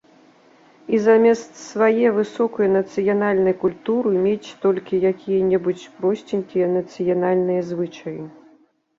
І замест свае высокай нацыянальнай культуры мець толькі якія-небудзь просценькія нацыянальныя звычаі.